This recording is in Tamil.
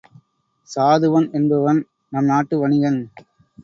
சாதுவன் என்பவன் நம் நாட்டு வணிகன்.